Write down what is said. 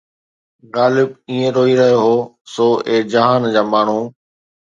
غالب ائين روئي رهيو هو! سو اي جهان جا ماڻهو